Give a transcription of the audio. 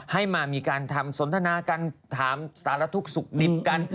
ให้มามีการทำสนทนากันถามสารทุกข์สุขดิบกัน